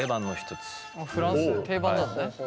フランスで定番なのね。